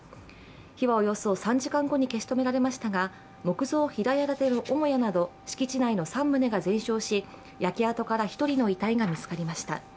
火はおよそ３時間後に消し止められましたが、木造平屋建ての母屋など敷地内の３棟が全焼し、焼け跡から１人の遺体が見つかりました。